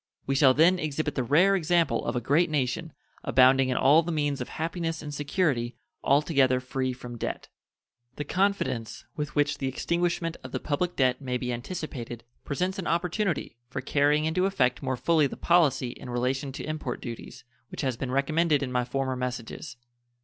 We shall then exhibit the rare example of a great nation, abounding in all the means of happiness and security, altogether free from debt. The confidence with which the extinguishment of the public debt may be anticipated presents an opportunity for carrying into effect more fully the policy in relation to import duties which has been recommended in my former messages.